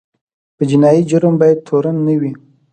په جنایي جرم باید تورن نه وي.